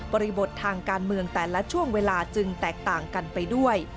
บททางการเมืองแต่ละช่วงเวลาจึงแตกต่างกันไปด้วย